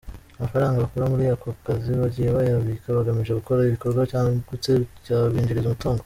Amafaranga bakura muri ako kazi bagiye bayabika bagamije gukora igikorwa cyagutse cyabinjiriza umutungo.